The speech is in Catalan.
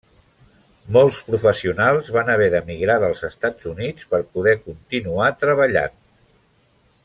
Molts professionals van haver d'emigrar dels Estats Units per poder continuar treballant.